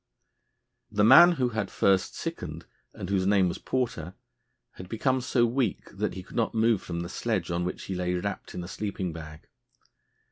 The man who had first sickened, and whose name was Porter, had become so weak that he could not move from the sledge on which he lay wrapped in a sleeping bag.